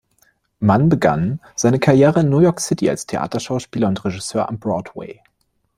Mann begann seine Karriere in New York City als Theaterschauspieler und Regisseur am Broadway.